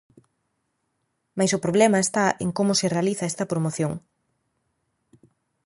Mais o problema está en como se realiza esta promoción.